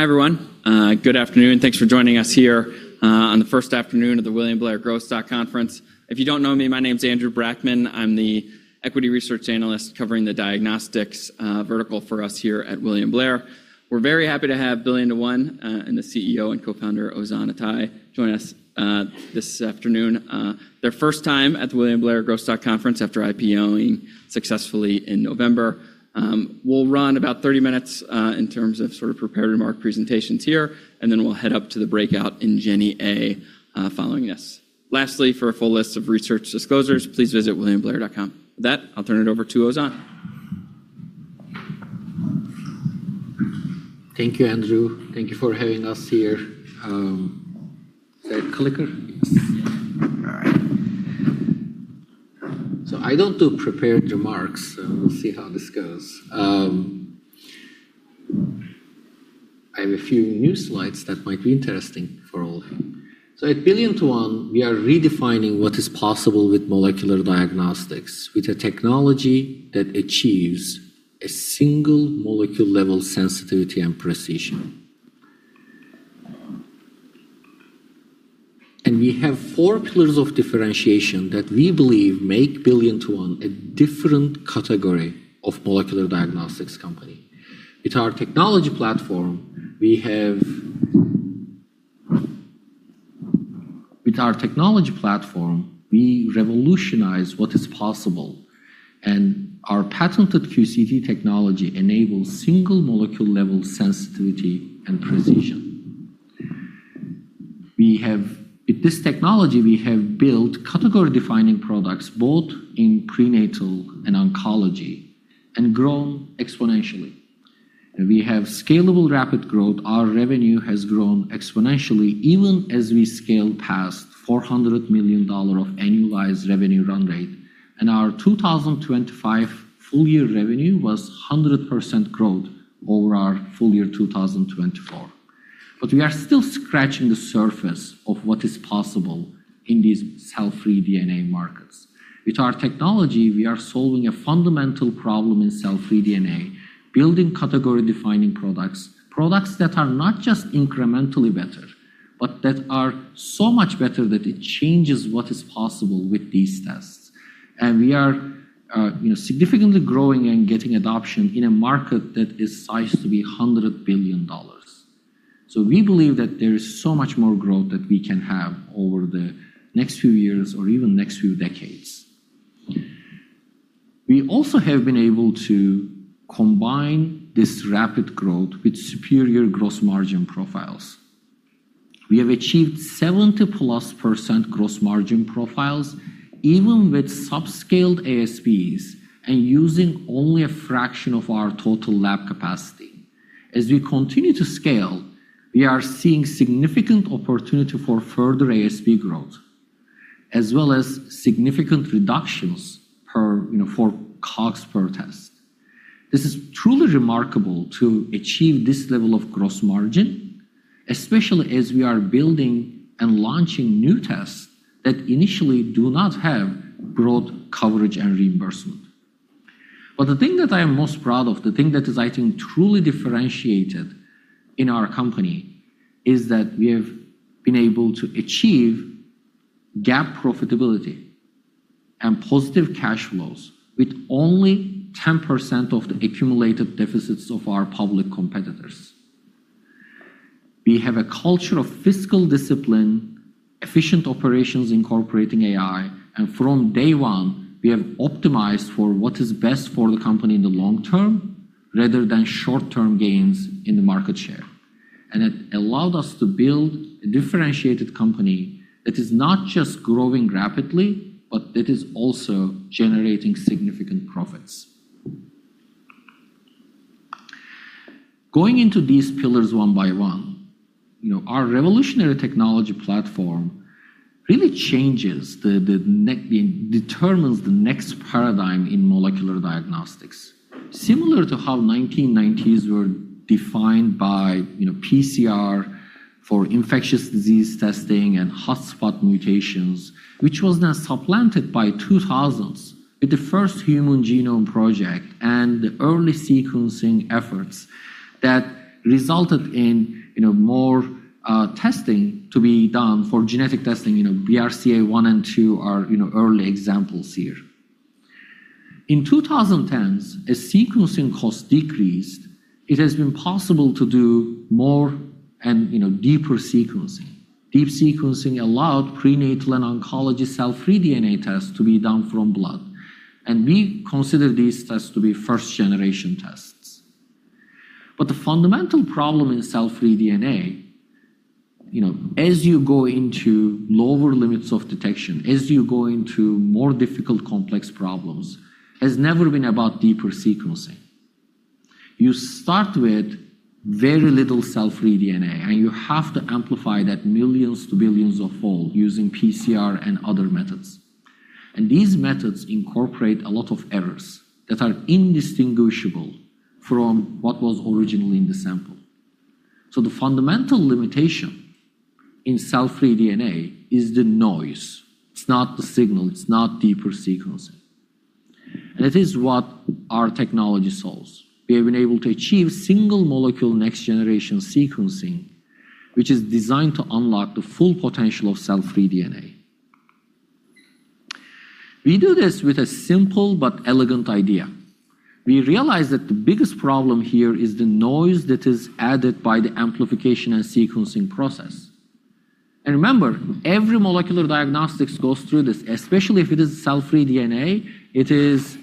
Hi, everyone. Good afternoon. Thanks for joining us here on the first afternoon of the William Blair Growth Stock Conference. If you don't know me, my name's Andrew Brackmann. I'm the Equity Research Analyst covering the diagnostics vertical for us here at William Blair. We're very happy to have BillionToOne, and the CEO and co-founder, Oguzhan Atay, join us this afternoon. Their first time at the William Blair Growth Stock Conference after IPO-ing successfully in November. We'll run about 30 minutes in terms of prepared remark presentations here, and then we'll head up to the breakout in Jenny A following this. Lastly, for a full list of research disclosures, please visit williamblair.com. With that, I'll turn it over to Oguzhan. Thank you, Andrew. Thank you for having us here. Is that a clicker? Yes. All right. I don't do prepared remarks, so we'll see how this goes. I have a few new slides that might be interesting for all of you. At BillionToOne, we are redefining what is possible with molecular diagnostics, with a technology that achieves a single molecule level sensitivity and precision. We have four pillars of differentiation that we believe make BillionToOne a different category of molecular diagnostics company. With our technology platform, we revolutionize what is possible, and our patented QCT technology enables single molecule level sensitivity and precision. With this technology, we have built category-defining products, both in prenatal and oncology, and grown exponentially. We have scalable rapid growth. Our revenue has grown exponentially even as we scale past $400 million of annualized revenue run rate. Our 2025 full-year revenue was 100% growth over our full year 2024. We are still scratching the surface of what is possible in these cell-free DNA markets. With our technology, we are solving a fundamental problem in cell-free DNA, building category-defining products that are not just incrementally better, but that are so much better that it changes what is possible with these tests. We are significantly growing and getting adoption in a market that is sized to be $100 billion. We believe that there is so much more growth that we can have over the next few years or even next few decades. We also have been able to combine this rapid growth with superior gross margin profiles. We have achieved 70+% gross margin profiles, even with sub-scaled ASPs and using only a fraction of our total lab capacity. As we continue to scale, we are seeing significant opportunity for further ASP growth, as well as significant reductions for COGS per test. This is truly remarkable to achieve this level of gross margin, especially as we are building and launching new tests that initially do not have broad coverage and reimbursement. The thing that I am most proud of, the thing that is, I think, truly differentiated in our company, is that we have been able to achieve GAAP profitability and positive cash flows with only 10% of the accumulated deficits of our public competitors. We have a culture of fiscal discipline, efficient operations incorporating AI, and from day one, we have optimized for what is best for the company in the long term, rather than short-term gains in the market share. It allowed us to build a differentiated company that is not just growing rapidly, but that is also generating significant profits. Going into these pillars one by one, our revolutionary technology platform really determines the next paradigm in molecular diagnostics. Similar to how 1990s were defined by PCR for infectious disease testing and hotspot mutations, which was now supplanted by 2000s with the first Human Genome Project and the early sequencing efforts that resulted in more testing to be done for genetic testing. BRCA1 and BRCA2 are early examples here. In 2010s, as sequencing cost decreased, it has been possible to do more and deeper sequencing. Deep sequencing allowed prenatal and oncology cell-free DNA tests to be done from blood, and we consider these tests to be first-generation tests. The fundamental problem in cell-free DNA, as you go into lower limits of detection, as you go into more difficult, complex problems, has never been about deeper sequencing. You start with very little cell-free DNA, and you have to amplify that millions to billions of fold using PCR and other methods. These methods incorporate a lot of errors that are indistinguishable from what was originally in the sample. The fundamental limitation in cell-free DNA is the noise. It's not the signal, it's not deeper sequencing. It is what our technology solves. We have been able to achieve single molecule next generation sequencing, which is designed to unlock the full potential of cell-free DNA. We do this with a simple but elegant idea. We realize that the biggest problem here is the noise that is added by the amplification and sequencing process. Remember, every molecular diagnostics goes through this, especially if it is cell-free DNA. It is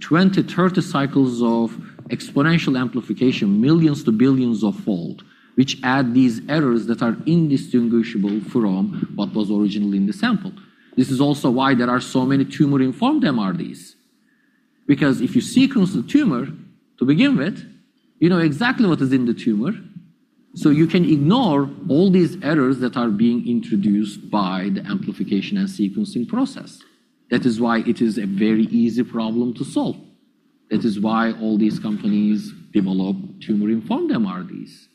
20, 30 cycles of exponential amplification, millions to billions of fold, which add these errors that are indistinguishable from what was originally in the sample. This is also why there are so many tumor-informed MRDs. If you sequence the tumor to begin with, you know exactly what is in the tumor, so you can ignore all these errors that are being introduced by the amplification and sequencing process. That is why it is a very easy problem to solve. That is why all these companies develop tumor-informed MRDs.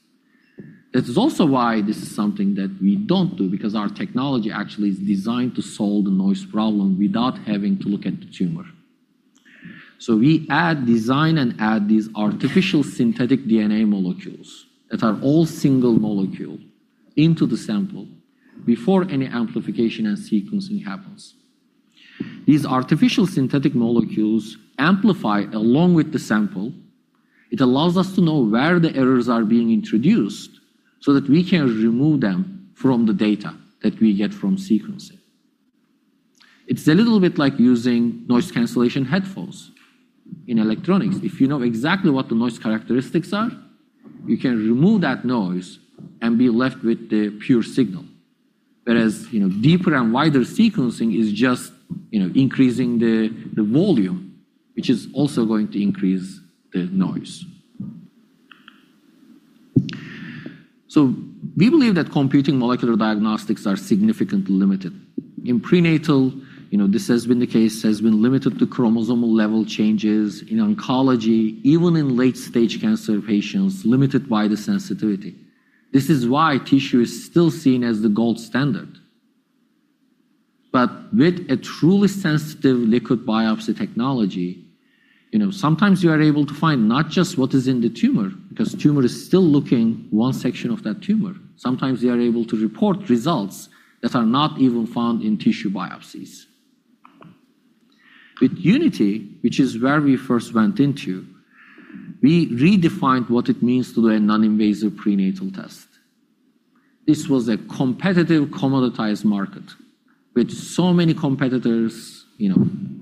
That is also why this is something that we don't do, because our technology actually is designed to solve the noise problem without having to look at the tumor. We design and add these artificial synthetic DNA molecules, that are all single molecule, into the sample before any amplification and sequencing happens. These artificial synthetic molecules amplify along with the sample. It allows us to know where the errors are being introduced so that we can remove them from the data that we get from sequencing. It's a little bit like using noise cancellation headphones in electronics. If you know exactly what the noise characteristics are, you can remove that noise and be left with the pure signal. Whereas, deeper and wider sequencing is just increasing the volume, which is also going to increase the noise. We believe that computing molecular diagnostics are significantly limited. In prenatal, this has been the case, has been limited to chromosomal level changes. In oncology, even in late-stage cancer patients, limited by the sensitivity. This is why tissue is still seen as the gold standard. With a truly sensitive liquid biopsy technology, sometimes you are able to find not just what is in the tumor, because tumor is still looking one section of that tumor. Sometimes we are able to report results that are not even found in tissue biopsies. With UNITY, which is where we first went into, we redefined what it means to do a non-invasive prenatal test. This was a competitive, commoditized market with so many competitors,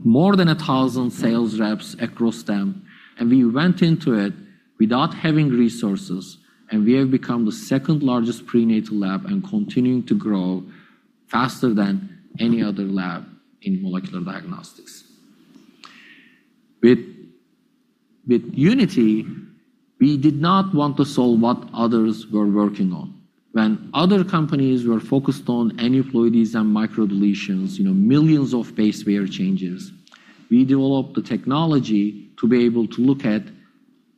more than 1,000 sales reps across them, and we went into it without having resources, and we have become the second-largest prenatal lab and continuing to grow faster than any other lab in molecular diagnostics. With UNITY, we did not want to solve what others were working on. When other companies were focused on aneuploidies and microdeletions, millions of base pair changes, we developed the technology to be able to look at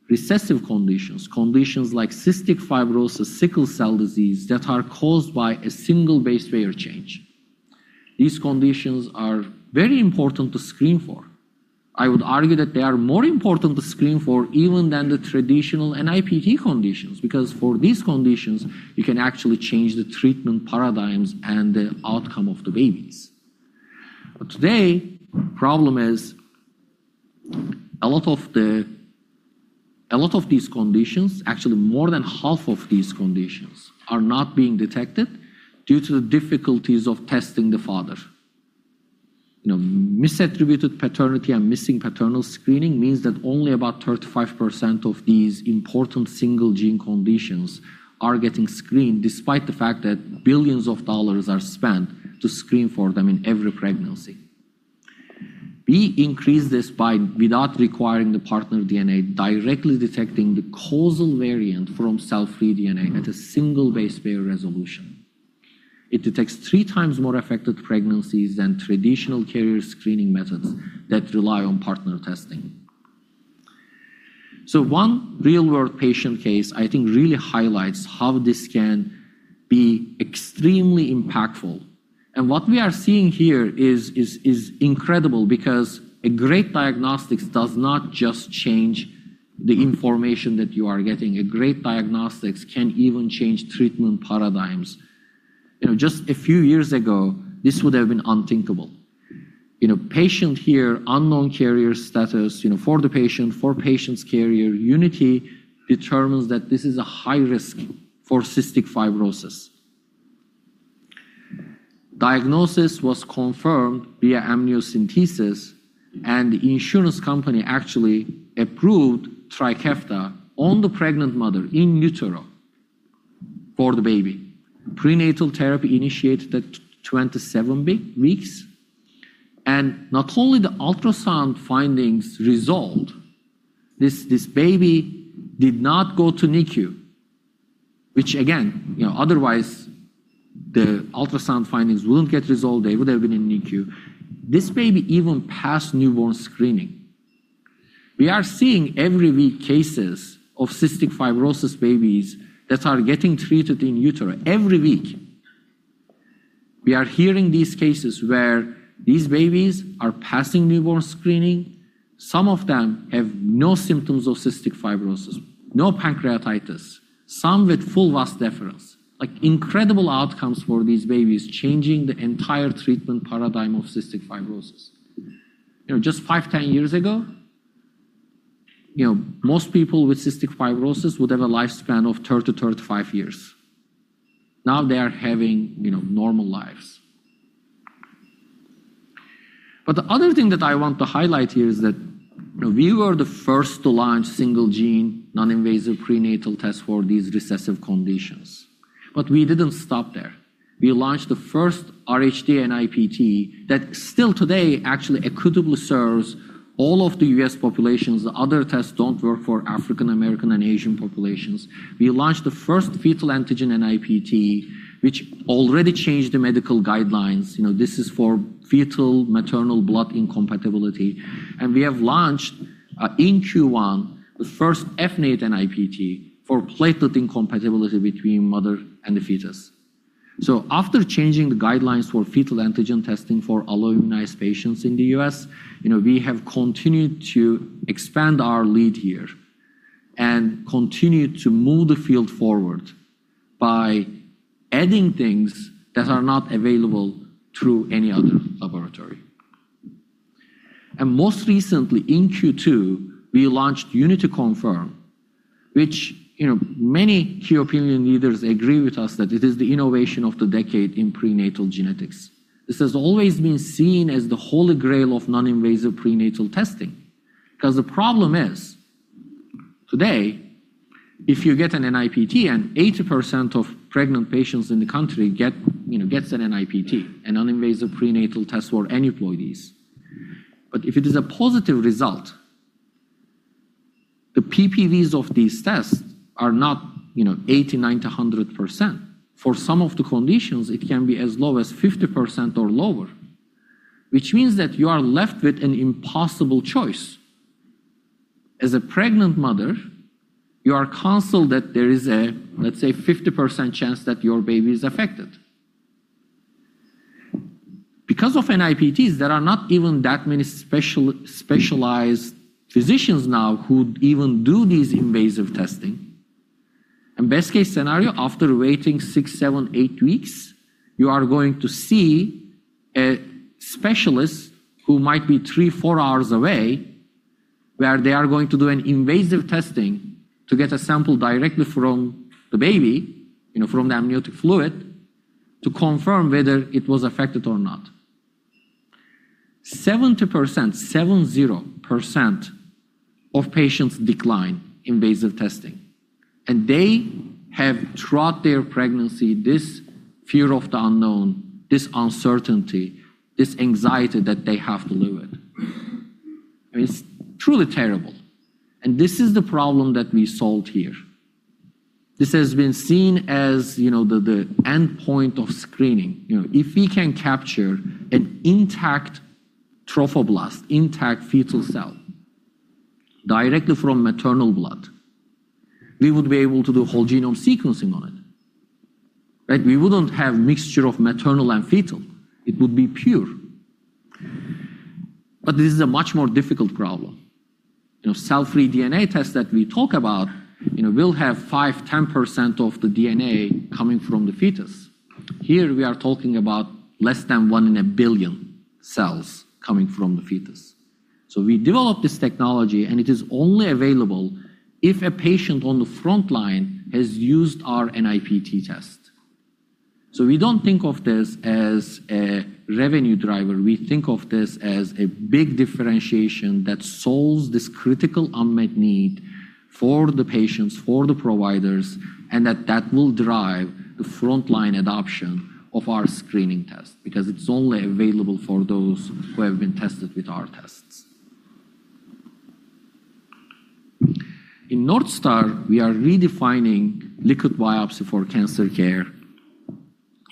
recessive conditions like cystic fibrosis, sickle cell disease, that are caused by a single base pair change. These conditions are very important to screen for. I would argue that they are more important to screen for even than the traditional NIPT conditions, because for these conditions, you can actually change the treatment paradigms and the outcome of the babies. Today, problem is, a lot of these conditions, actually more than half of these conditions, are not being detected due to the difficulties of testing the father. Misattributed paternity and missing paternal screening means that only about 35% of these important single-gene conditions are getting screened, despite the fact that billions of dollars are spent to screen for them in every pregnancy. We increase this by, without requiring the partner DNA, directly detecting the causal variant from cell-free DNA at a single base pair resolution. It detects three times more affected pregnancies than traditional carrier screening methods that rely on partner testing. One real-world patient case, I think really highlights how this can be extremely impactful. What we are seeing here is incredible because a great diagnostics does not just change the information that you are getting. A great diagnostics can even change treatment paradigms. Just a few years ago, this would have been unthinkable. Patient here, unknown carrier status, for the patient, for patient's carrier, UNITY determines that this is a high risk for cystic fibrosis. Diagnosis was confirmed via amniocentesis, and the insurance company actually approved approved Trikafta on the pregnant mother in utero for the baby. Prenatal therapy initiated at 27 weeks. Not only the ultrasound findings resolved, this baby did not go to NICU, which again, otherwise, the ultrasound findings wouldn't get resolved, they would have been in NICU. This baby even passed newborn screening. We are seeing every week cases of cystic fibrosis babies that are getting treated in utero. Every week. We are hearing these cases where these babies are passing newborn screening. Some of them have no symptoms of cystic fibrosis, no pancreatitis, some with full vas deferens. Incredible outcomes for these babies, changing the entire treatment paradigm of cystic fibrosis. Just five, 10 years ago, most people with cystic fibrosis would have a lifespan of 30 to 35 years. Now they are having normal lives. The other thing that I want to highlight here is that we were the first to launch single gene non-invasive prenatal test for these recessive conditions. We didn't stop there. We launched the first RhD NIPT that still today actually equitably serves all of the U.S. populations. The other tests don't work for African American and Asian populations. We launched the first fetal antigen NIPT, which already changed the medical guidelines. This is for fetal-maternal blood incompatibility. We have launched, in Q1, the first FNAIT NIPT for platelet incompatibility between mother and the fetus. After changing the guidelines for fetal antigen testing for alloimmunized patients in the U.S., we have continued to expand our lead here and continued to move the field forward by adding things that are not available through any other laboratory. Most recently, in Q2, we launched UNITY Confirm, which many key opinion leaders agree with us that it is the innovation of the decade in prenatal genetics. This has always been seen as the holy grail of non-invasive prenatal testing. Because the problem is, today, if you get an NIPT, and 80% of pregnant patients in the country gets an NIPT, a non-invasive prenatal test for aneuploidies. If it is a positive result, the PPVs of these tests are not 80%, 90%, 100%. For some of the conditions, it can be as low as 50% or lower, which means that you are left with an impossible choice. As a pregnant mother, you are counseled that there is a, let's say, 50% chance that your baby is affected. Because of NIPTs, there are not even that many specialized physicians now who'd even do these invasive testing. Best case scenario, after waiting six, seven, eight weeks, you are going to see a specialist who might be three, four hours away, where they are going to do an invasive testing to get a sample directly from the baby, from the amniotic fluid, to confirm whether it was affected or not. 70%, 70%, of patients decline invasive testing, and they have throughout their pregnancy, this fear of the unknown, this uncertainty, this anxiety that they have to live with. It's truly terrible. This is the problem that we solved here. This has been seen as the endpoint of screening. If we can capture an intact trophoblast, intact fetal cell directly from maternal blood, we would be able to do whole genome sequencing on it. We wouldn't have mixture of maternal and fetal. It would be pure. This is a much more difficult problem. Cell-free DNA tests that we talk about will have five, 10% of the DNA coming from the fetus. Here we are talking about less than one in a billion cells coming from the fetus. We developed this technology, and it is only available if a patient on the frontline has used our NIPT test. We don't think of this as a revenue driver. We think of this as a big differentiation that solves this critical unmet need for the patients, for the providers, and that will drive the frontline adoption of our screening test, because it's only available for those who have been tested with our tests. In Northstar, we are redefining liquid biopsy for cancer care.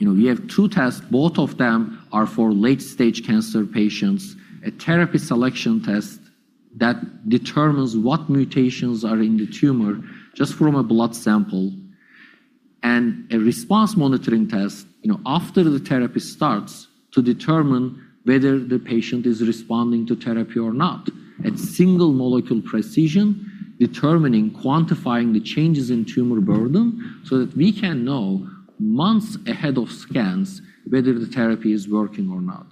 We have two tests, both of them are for late-stage cancer patients, a therapy selection test that determines what mutations are in the tumor, just from a blood sample, and a response monitoring test, after the therapy starts, to determine whether the patient is responding to therapy or not. At single molecule precision, determining, quantifying the changes in tumor burden so that we can know months ahead of scans whether the therapy is working or not.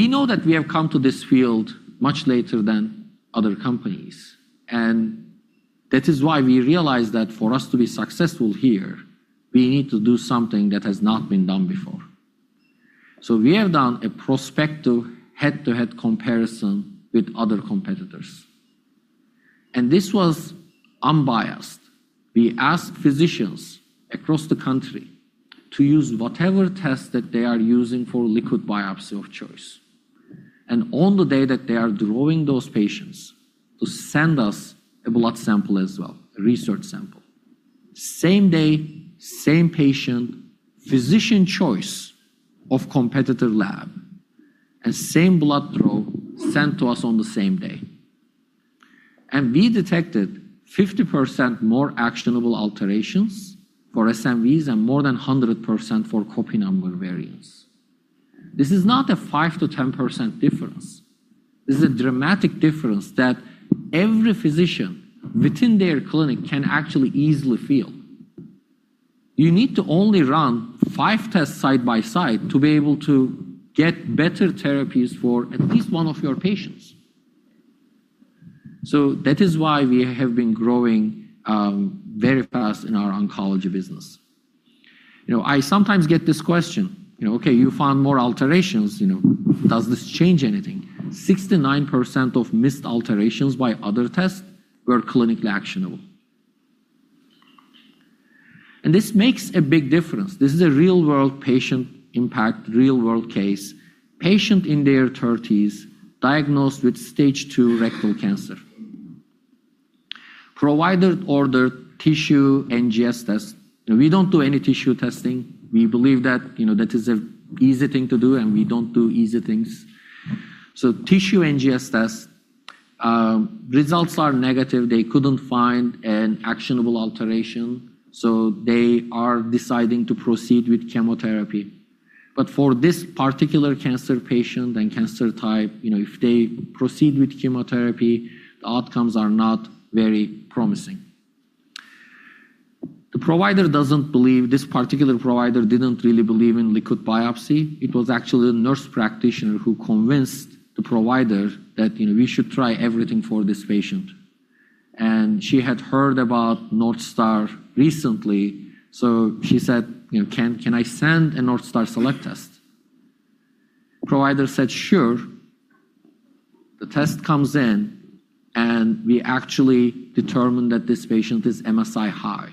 We know that we have come to this field much later than other companies, that is why we realize that for us to be successful here, we need to do something that has not been done before. We have done a prospective head-to-head comparison with other competitors. This was unbiased. We asked physicians across the country to use whatever test that they are using for liquid biopsy of choice. On the day that they are drawing those patients, to send us a blood sample as well, a research sample. Same day, same patient, physician choice of competitive lab, and same blood draw sent to us on the same day. We detected 50% more actionable alterations for SNVs, and more than 100% for copy number variants. This is not a 5%-10% difference. This is a dramatic difference that every physician within their clinic can actually easily feel. You need to only run five tests side by side to be able to get better therapies for at least one of your patients. That is why we have been growing very fast in our oncology business. I sometimes get this question, "Okay, you found more alterations. Does this change anything?" 69% of missed alterations by other tests were clinically actionable. This makes a big difference. This is a real-world patient impact, real-world case. Patient in their 30s, diagnosed with stage two rectal cancer. Provider ordered tissue NGS test. We don't do any tissue testing. We believe that is an easy thing to do, and we don't do easy things. Tissue NGS test results are negative. They couldn't find an actionable alteration, so they are deciding to proceed with chemotherapy. For this particular cancer patient and cancer type, if they proceed with chemotherapy, the outcomes are not very promising. This particular provider didn't really believe in liquid biopsy. It was actually the nurse practitioner who convinced the provider that we should try everything for this patient. She had heard about Northstar recently, so she said, "Can I send a Northstar Select test?" Provider said, "Sure." The test comes in, and we actually determine that this patient is MSI-high,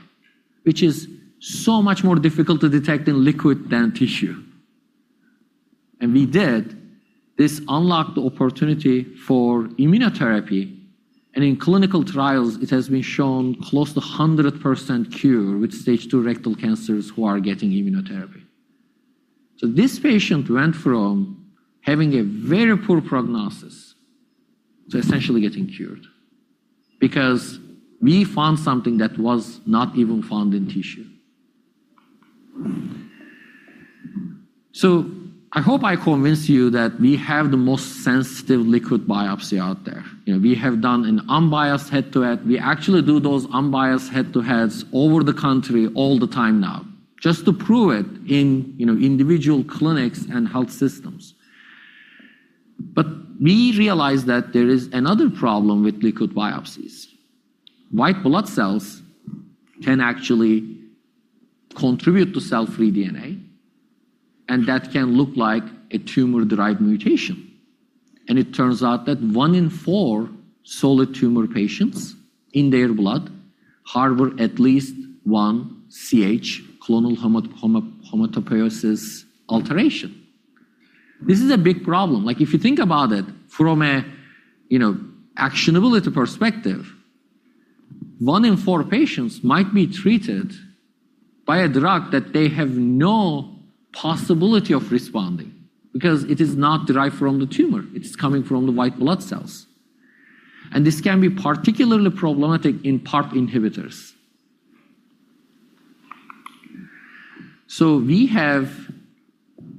which is so much more difficult to detect in liquid than tissue. We did. This unlocked the opportunity for immunotherapy, and in clinical trials, it has been shown close to 100% cure with stage two rectal cancers who are getting immunotherapy. This patient went from having a very poor prognosis to essentially getting cured because we found something that was not even found in tissue. I hope I convinced you that we have the most sensitive liquid biopsy out there. We have done an unbiased head-to-head. We actually do those unbiased head-to-heads over the country all the time now, just to prove it in individual clinics and health systems. We realize that there is another problem with liquid biopsies. White blood cells can actually contribute to cell-free DNA, and that can look like a tumor-derived mutation. It turns out that one in four solid tumor patients in their blood harbor at least one CH, clonal hematopoiesis alteration. This is a big problem. If you think about it from a actionability perspective, one in four patients might be treated by a drug that they have no possibility of responding because it is not derived from the tumor. It's coming from the white blood cells. This can be particularly problematic in PARP inhibitors. We have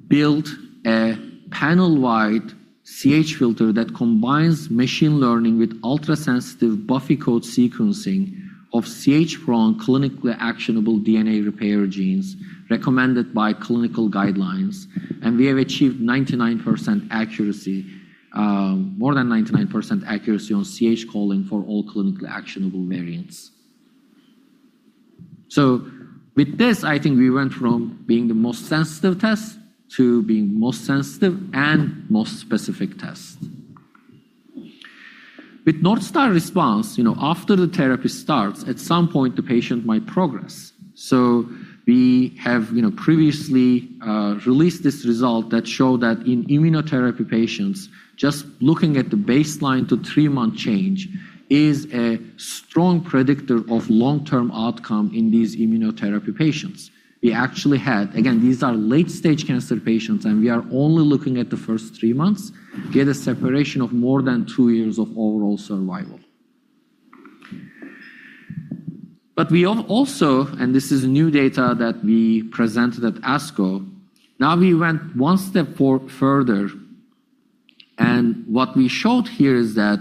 built a panel-wide CH filter that combines machine learning with ultrasensitive buffy coat sequencing of CH-prone clinically actionable DNA repair genes recommended by clinical guidelines, and we have achieved 99% accuracy, more than 99% accuracy on CH calling for all clinically actionable variants. With this, I think we went from being the most sensitive test to being most sensitive and most specific test. With Northstar Response, after the therapy starts, at some point, the patient might progress. We have previously released this result that show that in immunotherapy patients, just looking at the baseline to three-month change is a strong predictor of long-term outcome in these immunotherapy patients. We actually had, again, these are late-stage cancer patients, and we are only looking at the first three months, get a separation of more than two years of overall survival. We also, and this is new data that we presented at ASCO, now we went one step further, and what we showed here is that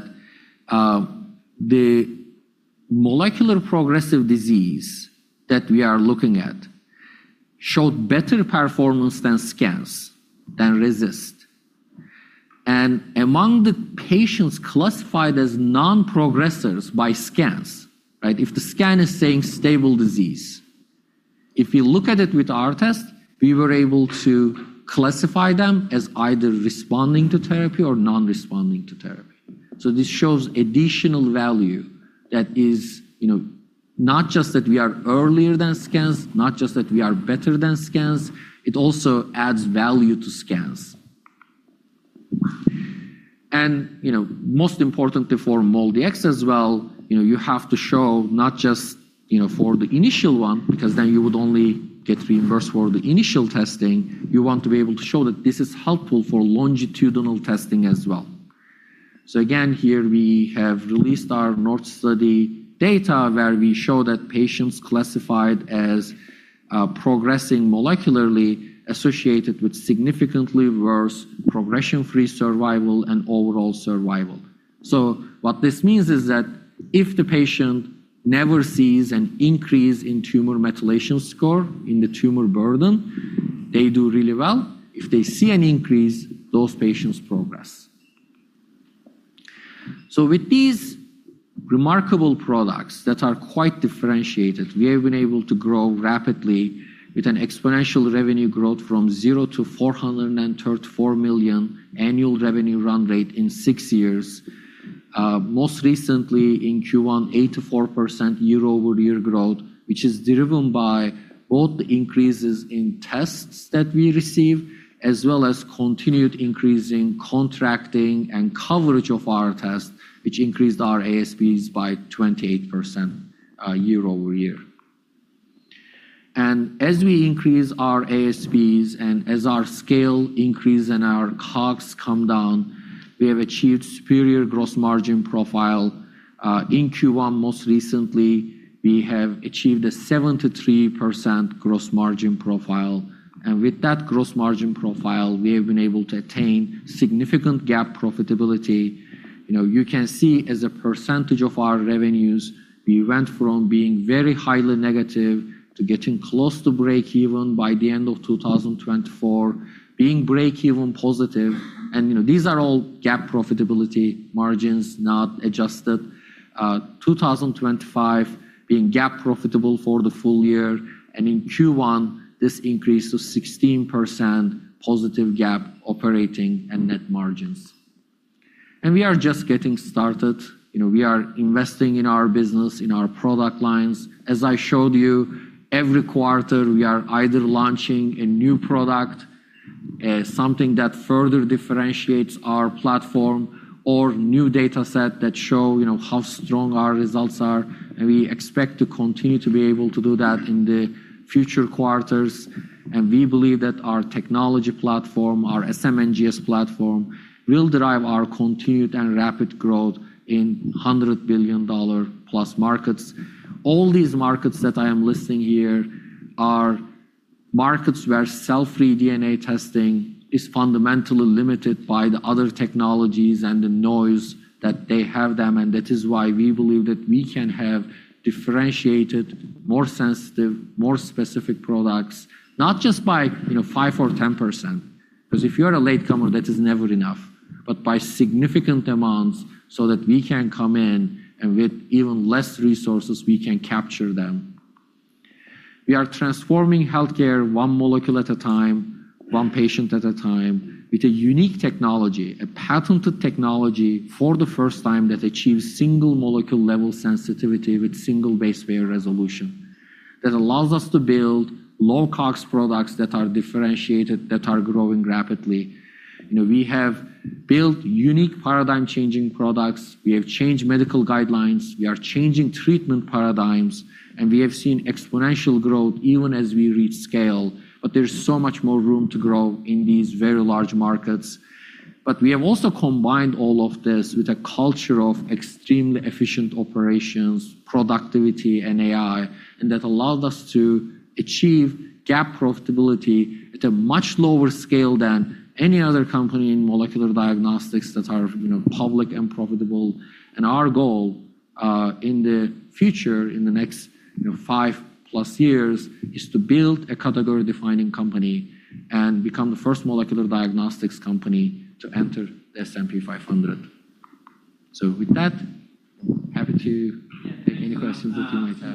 the molecular progressive disease that we are looking at showed better performance than scans, than. Among the patients classified as non-progressors by scans, if the scan is saying stable disease, if you look at it with our test, we were able to classify them as either responding to therapy or non-responding to therapy. This shows additional value that is not just that we are earlier than scans, not just that we are better than scans, it also adds value to scans. Most importantly for MolDX as well, you have to show not just for the initial one, because then you would only get reimbursed for the initial testing, you want to be able to show that this is helpful for longitudinal testing as well. Again, here we have released our NORTH study data where we show that patients classified as progressing molecularly associated with significantly worse progression-free survival and overall survival. What this means is that if the patient never sees an increase in Tumor Methylation Score in the tumor burden, they do really well. If they see an increase, those patients progress. With these remarkable products that are quite differentiated, we have been able to grow rapidly with an exponential revenue growth from zero to $434 million annual revenue run rate in six years. Most recently in Q1, 84% year-over-year growth, which is driven by both the increases in tests that we receive as well as continued increase in contracting and coverage of our tests, which increased our ASPs by 28% year-over-year. As we increase our ASPs and as our scale increase and our COGS come down, we have achieved superior gross margin profile. In Q1, most recently, we have achieved a 73% gross margin profile. With that gross margin profile, we have been able to attain significant GAAP profitability. You can see as a percentage of our revenues, we went from being very highly negative to getting close to breakeven by the end of 2024, being breakeven positive. These are all GAAP profitability margins, not adjusted. 2025 being GAAP profitable for the full year, and in Q1, this increased to 16% positive GAAP operating and net margins. We are just getting started. We are investing in our business, in our product lines. As I showed you, every quarter, we are either launching a new product, something that further differentiates our platform or new dataset that show how strong our results are. We expect to continue to be able to do that in the future quarters. We believe that our technology platform, our smNGS platform, will drive our continued and rapid growth in hundred-billion-dollar-plus markets. All these markets that I am listing here are markets where cell-free DNA testing is fundamentally limited by the other technologies and the noise that they have them. That is why we believe that we can have differentiated, more sensitive, more specific products, not just by 5% or 10%, because if you're a latecomer, that is never enough, but by significant amounts so that we can come in and with even less resources, we can capture them. We are transforming healthcare one molecule at a time, one patient at a time, with a unique technology, a patented technology for the first time that achieves single molecule level sensitivity with single base pair resolution. That allows us to build low COGS products that are differentiated, that are growing rapidly. We have built unique paradigm-changing products. We have changed medical guidelines. We are changing treatment paradigms, and we have seen exponential growth even as we reach scale. There's so much more room to grow in these very large markets. We have also combined all of this with a culture of extremely efficient operations, productivity, and AI, and that allowed us to achieve GAAP profitability at a much lower scale than any other company in molecular diagnostics that are public and profitable. Our goal, in the future, in the next 5+ years, is to build a category-defining company and become the first molecular diagnostics company to enter the S&P 500. With that, happy to take any questions that you might have.